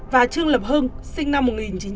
và trương lập hưng sinh năm một nghìn chín trăm tám mươi